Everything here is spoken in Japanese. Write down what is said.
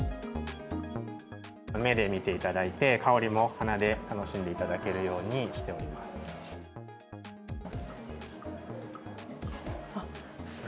目で見ていただいて、香りも鼻で楽しんでいただけるようにしております。